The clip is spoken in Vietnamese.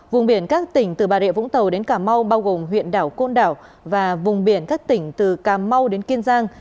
vùng biển các tỉnh từ bà rịa vũng tàu đến cà mau bao gồm huyện đảo côn đảo và vùng biển các tỉnh từ cà mau đến kiên giang